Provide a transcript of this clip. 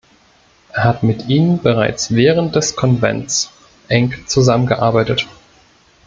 Es hat mit ihnen bereits während des Konvents eng zusammengearbeitet.